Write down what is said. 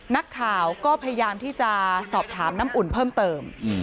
นักข่าวก็พยายามที่จะสอบถามน้ำอุ่นเพิ่มเติม